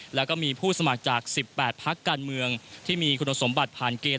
แล้วก็มีผู้สมัครจาก๑๘พักการเมืองที่มีคุณสมบัติผ่านเกณฑ์